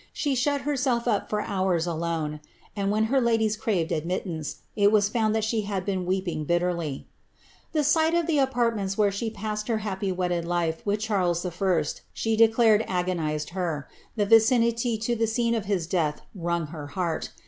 She shut herself up for hours alone, and when her ladies craved admittance, it was found that she had been weep iDj^ bitterly.' ^ The sight of the apartments where she passed her happy wedded life with Charles I. she declared agonized her ; the vicinity to the scene of his death wrung her heart.